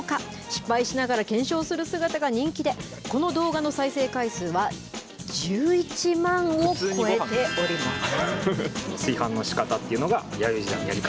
失敗しながら検証する姿が人気で、この動画の再生回数は１１万を超えております。